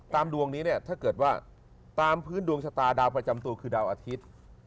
ดวงนี้เนี่ยถ้าเกิดว่าตามพื้นดวงชะตาดาวประจำตัวคือดาวอาทิตย์